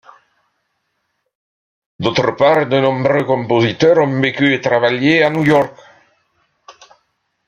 D'autre part, de nombreux compositeurs ont vécu et travaillé à New York.